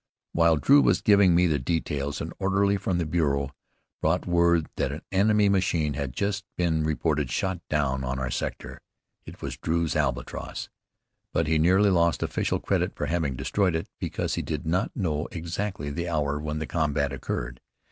While Drew was giving me the details, an orderly from the bureau brought word that an enemy machine had just been reported shot down on our sector. It was Drew's Albatross, but he nearly lost official credit for having destroyed it, because he did not know exactly the hour when the combat occurred.